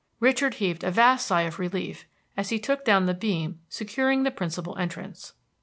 Richard heaved a vast sigh of relief as he took down the beam securing the principal entrance.